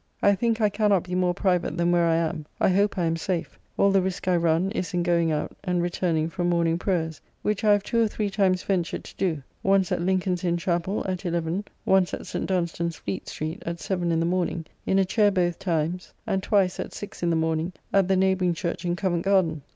I think I cannot be more private than where I am. I hope I am safe. All the risque I run, is in going out, and returning from morning prayers; which I have two or three times ventured to do; once at Lincoln's inn chapel, at eleven; once at St. Dunstan's, Fleet street, at seven in the morning,* in a chair both times; and twice, at six in the morning, at the neighbouring church in Covent garden.